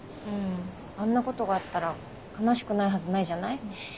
うんあんなことがあったら悲しくないはずないじゃない？